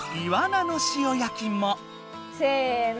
せの。